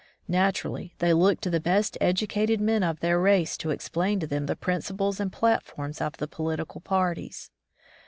Naturally, they looked to the best educated men of their race to explain to them the principles and platforms of the political parties.